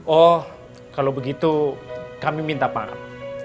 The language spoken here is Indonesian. oh kalau begitu kami minta maaf